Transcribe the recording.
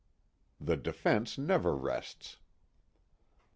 _The defense never rests.